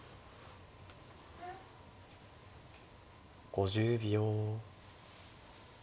５０秒。